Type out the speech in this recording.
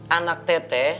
anak teh teh